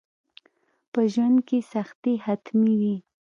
په ژوند کي سختي حتمي وي.